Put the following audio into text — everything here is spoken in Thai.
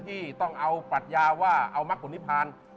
ที่ต้องเอาปรัฎยาว่าเอามทศนิภาน